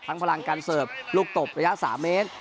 พลังการเสิร์ฟลูกตบระยะ๓เมตร